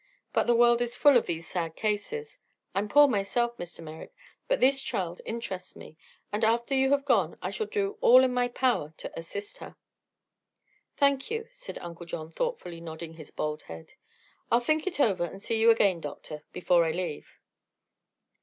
But the world is full of these sad cases. I'm poor myself, Mr. Merrick, but this child interests me, and after you have gone I shall do all in my power to assist her." "Thank you," said Uncle John, thoughtfully nodding his bald head. "I'll think it over and see you again, doctor, before I leave."